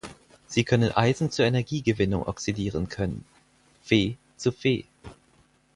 Sie können Eisen zur Energiegewinnung oxidieren können (Fe zu Fe).